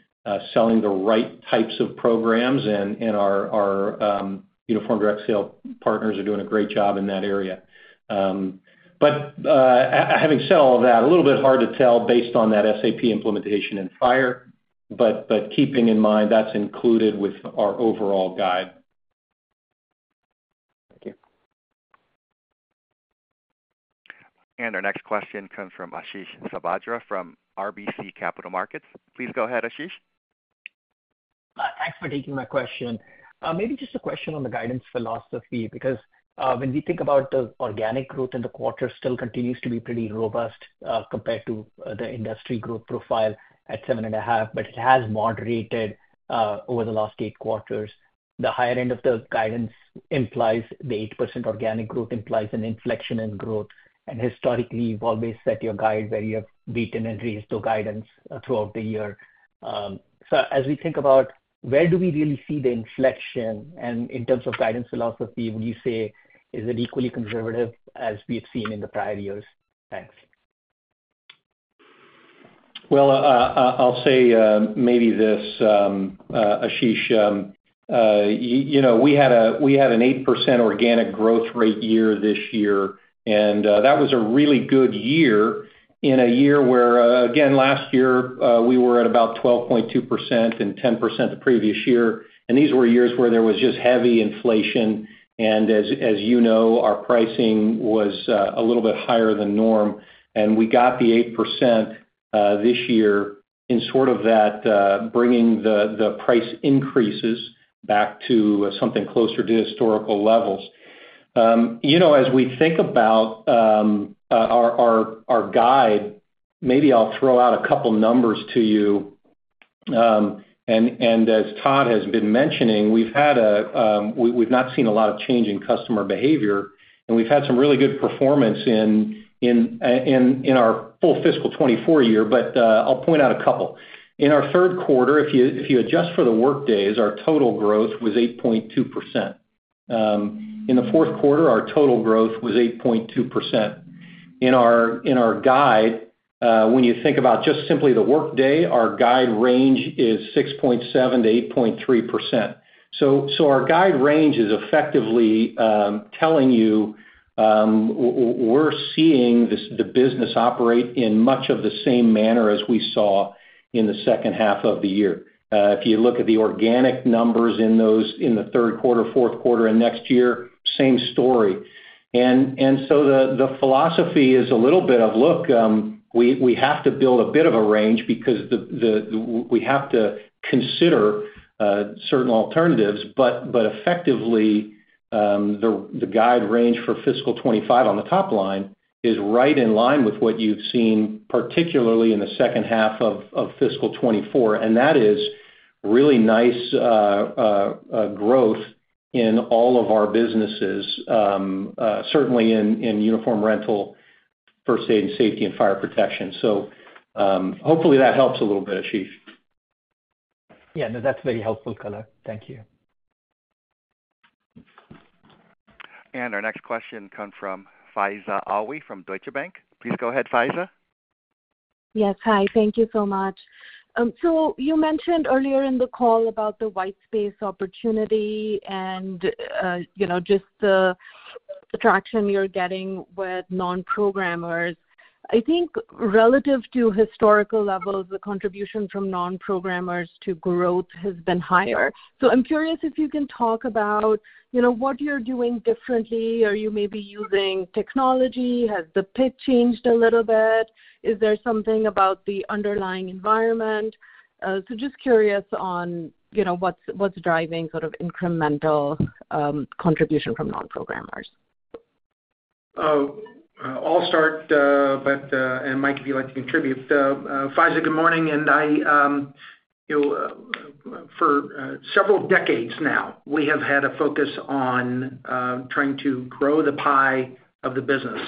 selling the right types of programs, and our Uniform Direct Sale partners are doing a great job in that area. But having said all that, a little bit hard to tell based on that SAP implementation in Fire, but keeping in mind, that's included with our overall guide. Thank you. Our next question comes from Ashish Sabadra from RBC Capital Markets. Please go ahead, Ashish. Thanks for taking my question. Maybe just a question on the guidance philosophy, because, when we think about the organic growth in the quarter, still continues to be pretty robust, compared to the industry growth profile at 7.5, but it has moderated over the last 8 quarters. The higher end of the guidance implies the 8% organic growth, implies an inflection in growth, and historically, you've always set your guide where you have beaten and raised your guidance throughout the year. So as we think about where do we really see the inflection? And in terms of guidance philosophy, would you say, is it equally conservative as we've seen in the prior years? Thanks. Well, I'll say, maybe this, Ashish, you know, we had an 8% organic growth rate year this year, and that was a really good year in a year where, again, last year, we were at about 12.2% and 10% the previous year, and these were years where there was just heavy inflation. And as, as you know, our pricing was a little bit higher than norm, and we got the 8% this year in sort of that, bringing the, the price increases back to something closer to historical levels. You know, as we think about our guide, maybe I'll throw out a couple numbers to you, and as Todd has been mentioning, we've had, we've not seen a lot of change in customer behavior, and we've had some really good performance in our full fiscal 2024 year, but I'll point out a couple. In our third quarter, if you adjust for the workdays, our total growth was 8.2%. In the fourth quarter, our total growth was 8.2%. In our guide, when you think about just simply the workday, our guide range is 6.7% to 8.3%. So our guide range is effectively telling you we're seeing this, the business operate in much of the same manner as we saw in the second half of the year. If you look at the organic numbers in those, in the third quarter, fourth quarter and next year, same story. So the philosophy is a little bit of, look, we have to build a bit of a range because we have to consider certain alternatives. But effectively, the guide range for fiscal 2025 on the top line is right in line with what you've seen, particularly in the second half of fiscal 2024, and that is-... really nice growth in all of our businesses, certainly in uniform rental, first aid and safety, and fire protection. So, hopefully, that helps a little bit, Ashish. Yeah, no, that's very helpful color. Thank you. Our next question come from Faiza Alwi from Deutsche Bank. Please go ahead, Faiza. Yes, hi. Thank you so much. So you mentioned earlier in the call about the white space opportunity and, you know, just the traction you're getting with non-programmers. I think relative to historical levels, the contribution from non-programmers to growth has been higher. So I'm curious if you can talk about, you know, what you're doing differently. Are you maybe using technology? Has the pitch changed a little bit? Is there something about the underlying environment? So just curious on, you know, what's driving sort of incremental contribution from non-programmers. Oh, I'll start, but and Mike, if you'd like to contribute. Faiza, good morning, and I for several decades now, we have had a focus on trying to grow the pie of the business,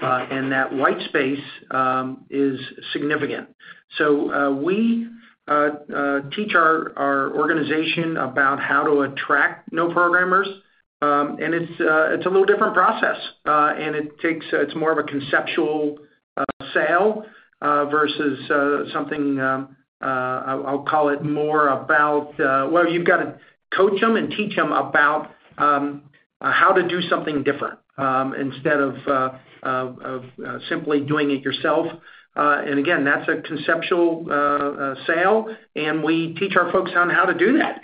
and that white space is significant. So, we teach our organization about how to attract no programmers, and it's a little different process, and it takes. It's more of a conceptual sale, versus something, I'll call it more about, well, you've got to coach them and teach them about how to do something different, instead of simply doing it yourself. And again, that's a conceptual sale, and we teach our folks on how to do that.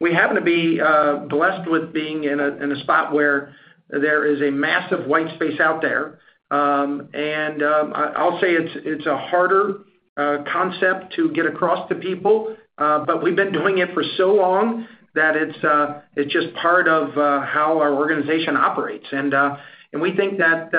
We happen to be blessed with being in a spot where there is a massive white space out there. I'll say it's a harder concept to get across to people, but we've been doing it for so long that it's just part of how our organization operates. And we think that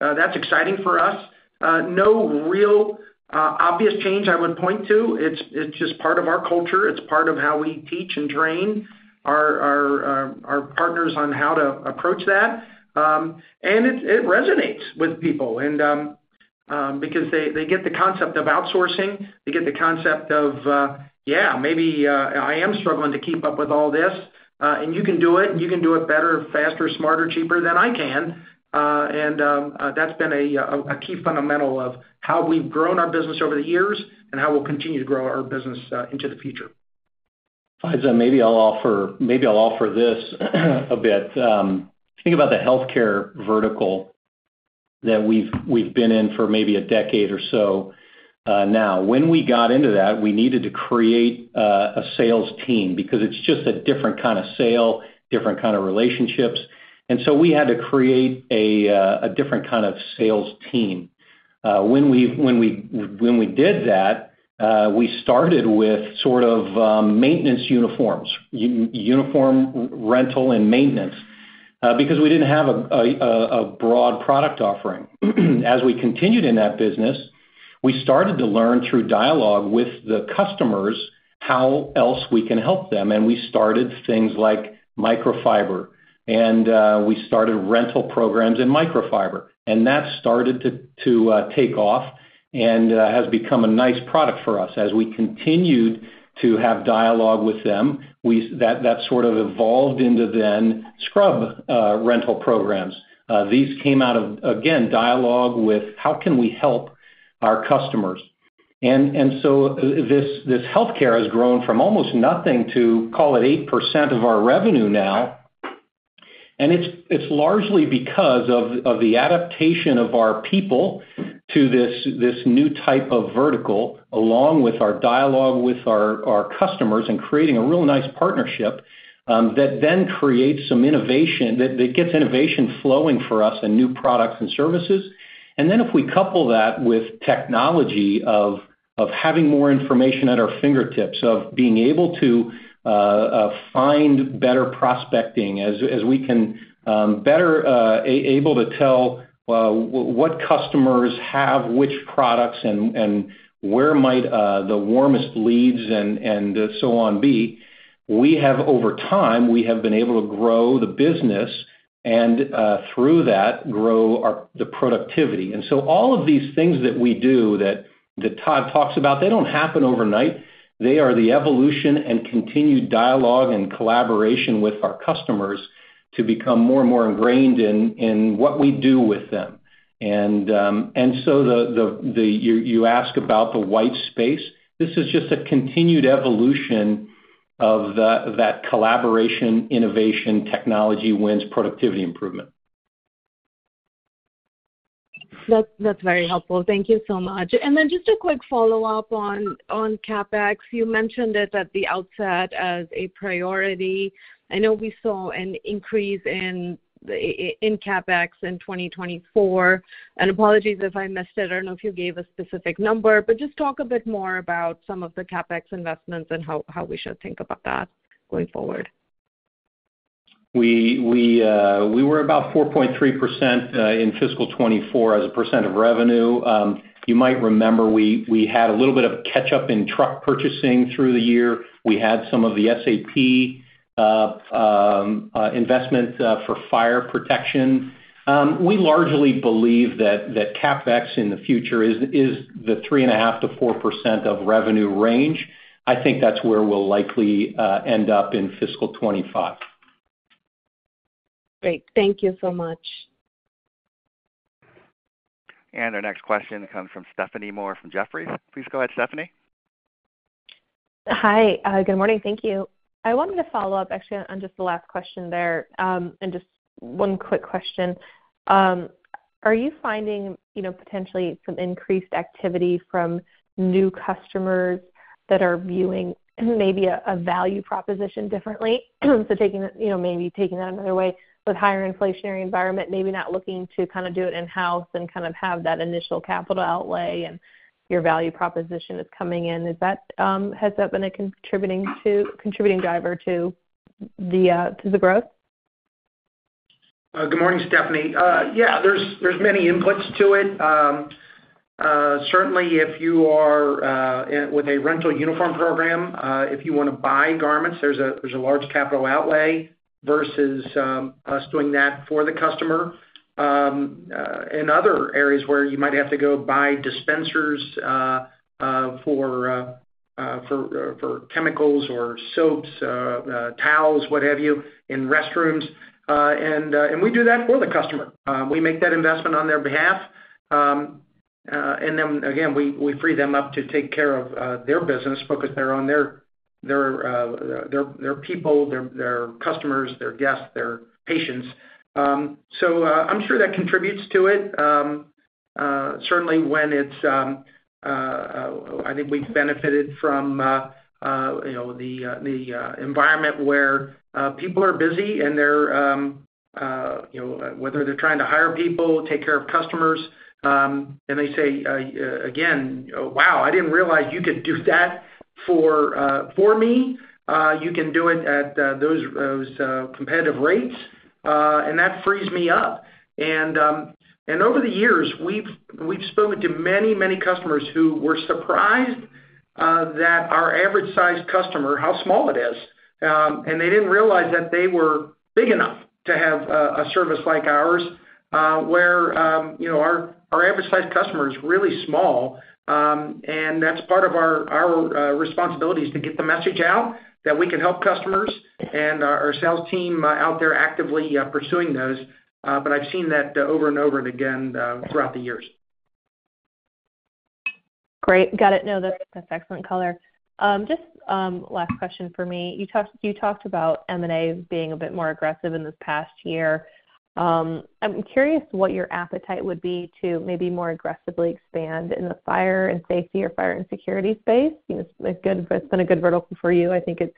that's exciting for us. No real obvious change I would point to. It's just part of our culture. It's part of how we teach and train our partners on how to approach that. It resonates with people, and because they get the concept of outsourcing, they get the concept of yeah, maybe I am struggling to keep up with all this, and you can do it, and you can do it better, faster, smarter, cheaper than I can. That's been a key fundamental of how we've grown our business over the years and how we'll continue to grow our business into the future. Faiza, maybe I'll offer, maybe I'll offer this a bit. Think about the healthcare vertical that we've been in for maybe a decade or so, now. When we got into that, we needed to create a sales team because it's just a different kind of sale, different kind of relationships, and so we had to create a different kind of sales team. When we did that, we started with sort of maintenance uniforms, uniform rental and maintenance, because we didn't have a broad product offering. As we continued in that business, we started to learn through dialogue with the customers how else we can help them, and we started things like microfiber, and we started rental programs in microfiber, and that started to take off and has become a nice product for us. As we continued to have dialogue with them, that sort of evolved into then scrub rental programs. These came out of, again, dialogue with how can we help our customers? So this healthcare has grown from almost nothing to call it 8% of our revenue now, and it's largely because of the adaptation of our people to this new type of vertical, along with our dialogue with our customers and creating a real nice partnership that then creates some innovation that gets innovation flowing for us and new products and services. And then if we couple that with technology of having more information at our fingertips, of being able to find better prospecting as we can better able to tell what customers have which products and where might the warmest leads and so on be, over time, we have been able to grow the business and through that, grow our productivity. And so all of these things that we do that Todd talks about, they don't happen overnight. They are the evolution and continued dialogue and collaboration with our customers to become more and more ingrained in what we do with them. And so you ask about the white space. This is just a continued evolution of that collaboration, innovation, technology wins, productivity improvement. That's very helpful. Thank you so much. And then just a quick follow-up on CapEx. You mentioned it at the outset as a priority. I know we saw an increase in the CapEx in 2024. And apologies if I missed it, I don't know if you gave a specific number, but just talk a bit more about some of the CapEx investments and how we should think about that going forward. ... We were about 4.3% in fiscal 2024 as a percent of revenue. You might remember, we had a little bit of catch up in truck purchasing through the year. We had some of the SAP investment for fire protection. We largely believe that CapEx in the future is the 3.5% to 4% of revenue range. I think that's where we'll likely end up in fiscal 2025. Great. Thank you so much. Our next question comes from Stephanie Moore from Jefferies. Please go ahead, Stephanie. Hi, good morning. Thank you. I wanted to follow up, actually, on just the last question there. And just one quick question. Are you finding, you know, potentially some increased activity from new customers that are viewing maybe a value proposition differently? So taking it, you know, maybe taking that another way, with higher inflationary environment, maybe not looking to kind of do it in-house and kind of have that initial capital outlay, and your value proposition is coming in. Is that, has that been a contributing driver to the growth? Good morning, Stephanie. Yeah, there's many inputs to it. Certainly, if you are with a rental uniform program, if you wanna buy garments, there's a large capital outlay versus us doing that for the customer. And other areas where you might have to go buy dispensers for chemicals or soaps, towels, what have you, in restrooms. And we do that for the customer. We make that investment on their behalf. And then again, we free them up to take care of their business, focus better on their people, their customers, their guests, their patients. So, I'm sure that contributes to it. Certainly when it's... I think we've benefited from, you know, the environment where people are busy and they're, you know, whether they're trying to hire people or take care of customers, and they say, again, "Wow, I didn't realize you could do that for me. You can do it at those competitive rates, and that frees me up." And over the years, we've spoken to many, many customers who were surprised that our average-sized customer, how small it is, and they didn't realize that they were big enough to have a service like ours, where, you know, our average-sized customer is really small. And that's part of our, our responsibility is to get the message out, that we can help customers and our sales team out there actively pursuing those. But I've seen that over and over again throughout the years. Great. Got it. No, that's excellent color. Just last question for me. You talked about M&A being a bit more aggressive in this past year. I'm curious what your appetite would be to maybe more aggressively expand in the fire and safety or fire and security space. You know, it's been a good vertical for you. I think it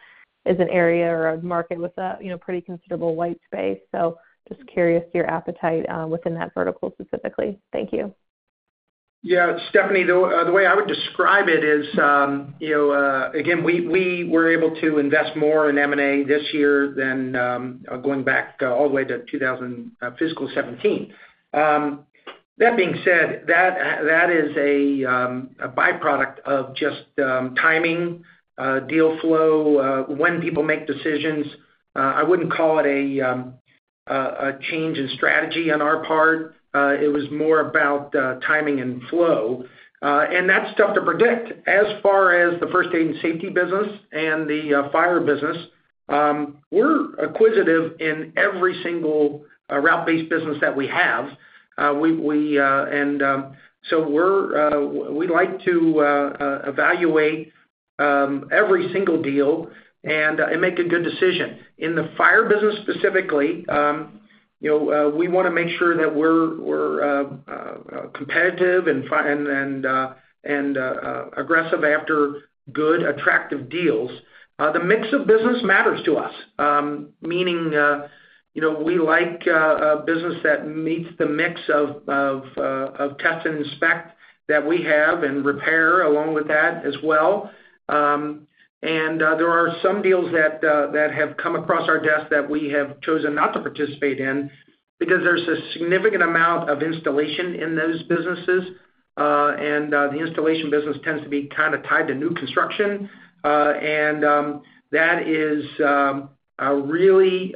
is an area or a market with a you know, pretty considerable white space. So just curious your appetite within that vertical specifically. Thank you. Yeah, Stephanie, the way I would describe it is, you know, again, we were able to invest more in M&A this year than going back all the way to 2000 fiscal 2017. That being said, that is a byproduct of just timing, deal flow, when people make decisions. I wouldn't call it a change in strategy on our part. It was more about timing and flow, and that's tough to predict. As far as the first aid and safety business and the fire business, we're acquisitive in every single route-based business that we have. So we like to evaluate every single deal and make a good decision. In the fire business specifically, you know, we wanna make sure that we're competitive and aggressive after good, attractive deals. The mix of business matters to us, meaning, you know, we like a business that meets the mix of test and inspect that we have, and repair along with that as well. And there are some deals that have come across our desk that we have chosen not to participate in because there's a significant amount of installation in those businesses. And the installation business tends to be kind of tied to new construction, and that is a really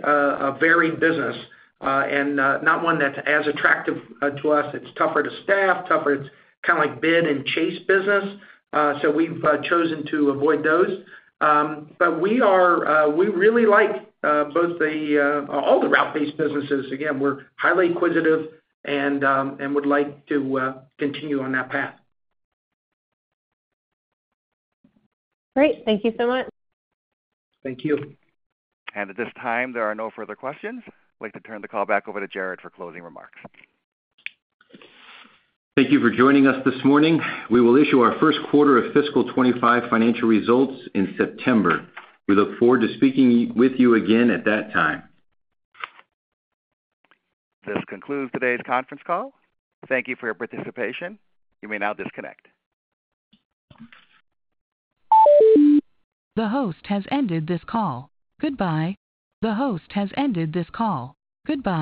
varied business, and not one that's as attractive to us. It's tougher to staff, tougher—it's kind of like bid and chase business, so we've chosen to avoid those. But we are, we really like both the all the route-based businesses. Again, we're highly acquisitive and, and would like to continue on that path. Great. Thank you so much. Thank you. At this time, there are no further questions. I'd like to turn the call back over to Jared for closing remarks. Thank you for joining us this morning. We will issue our first quarter of fiscal 2025 financial results in September. We look forward to speaking with you again at that time. This concludes today's conference call. Thank you for your participation. You may now disconnect. The host has ended this call. Goodbye. The host has ended this call. Goodbye.